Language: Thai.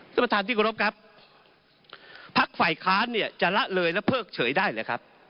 ท่านประธานที่กรบครับพักฝ่ายค้านเนี่ยจะละเลยและเพิกเฉยได้หรือครับ